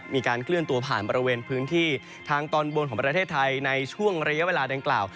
มีการเคลื่อนตัวผ่านบริเวณพื้นที่ทางตอนบนของประเทศไทยในช่วงระยะเวลาดังกล่าว